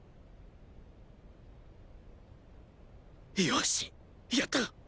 よしやったっ！